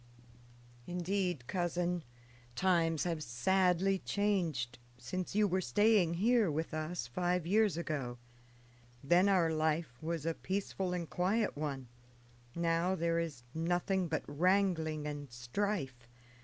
"Indeed, cousin, times have sadly changed since you were staying here with us five years ago. Then our life was a peaceful and quiet one; now there is nothing but wrangling and strife.